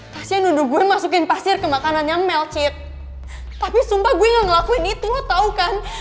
pasien udah gue masukin pasir ke makanannya mel cip tapi sumpah gue ngelakuin itu tau kan